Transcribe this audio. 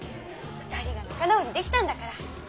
２人が仲直りできたんだから。